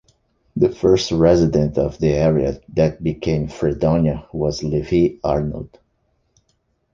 The first resident of the area that became Fredonia was Levi Arnold.